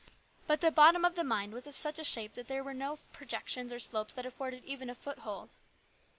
But the bottom of the mine was of such a shape that there were no projections or slopes which afforded even a foothold.